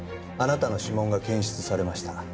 あなたの指紋が検出されました。